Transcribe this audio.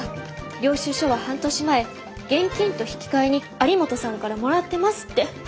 領収書は半年前現金と引き換えに有本さんからもらってますって。